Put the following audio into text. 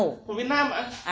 của việt nam ạ